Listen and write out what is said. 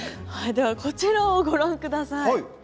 はいではこちらをご覧ください。